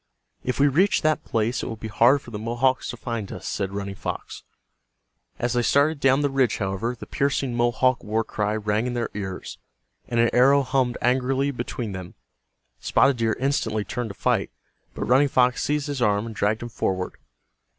"If we reach that place it will be hard for the Mohawks to find us," said Running Fox. As they started down the ridge, however, the piercing Mohawk war cry rang in their ears, and an arrow hummed angrily between them. Spotted Deer instantly turned to fight, but Running Fox seized his arm and dragged him forward.